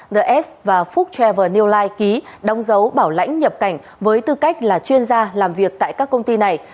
the s và phúc trevor new life ký đồng dấu bảo lãnh nhập cảnh với tư cách là chuyên gia làm việc tại các công ty này